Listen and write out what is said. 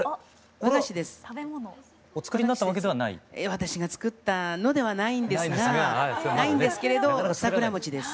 私が作ったのではないんですがないんですけれど桜餅です。